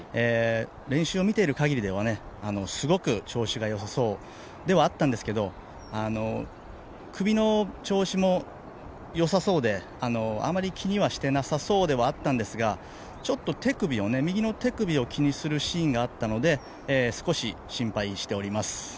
練習を見ているかぎりではすごく調子が良さそうではあったんですけど首の調子も良さそうであまり気にはしてなさそうではあったんですがちょっと右の手首を気にするシーンがあったので、少し心配しております。